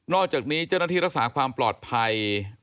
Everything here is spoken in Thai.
อกจากนี้เจ้าหน้าที่รักษาความปลอดภัย